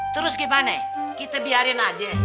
terus gimana kita biarin aja